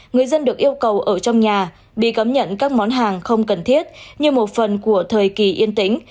người dân được yêu cầu ở trong nhà bị cảm nhận các món hàng không cần thiết như một phần của thời kỳ yên tĩnh